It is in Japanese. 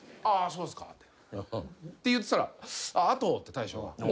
あそうですかって言ってたらあとって大将が。